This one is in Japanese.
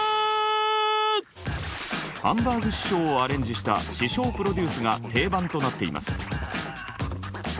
ハンバーグ師匠をアレンジした師匠プロデュースが定番となっています。